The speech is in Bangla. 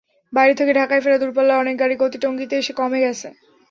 বাইরে থেকে ঢাকায় ফেরা দূরপাল্লার অনেক গাড়ির গতি টঙ্গীতে এসে কমে গেছে।